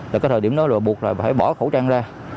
là cái thời điểm đó là buộc là phải bỏ khẩu trang ra